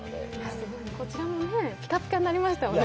こちらもピカピカになりましたもんね。